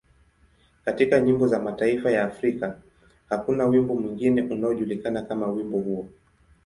Katika nyimbo za mataifa ya Afrika, hakuna wimbo mwingine unaojulikana kama wimbo huo.